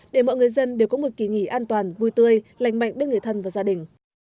để mọi người dân đều có một kỳ nghỉ an toàn vui tươi lành mạnh bên người thân và gia đình